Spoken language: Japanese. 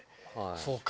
そうか。